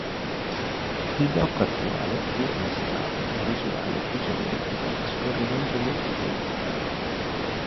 Il blocco attuale viene mostrato con visuale isometrica a scorrimento multidirezionale.